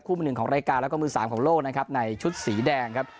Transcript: มือหนึ่งของรายการแล้วก็มือสามของโลกนะครับในชุดสีแดงครับ